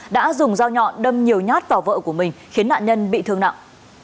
đã dùng dao nhọn đâm nhiều nhát vào vợ của mình khiến nạn nhân bị thương nặng